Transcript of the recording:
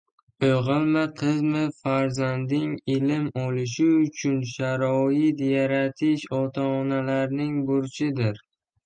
O‘g‘ilmi-qizmi, farzandining ilm olishi uchun sharoit yaratish ota-onalarning burchidir.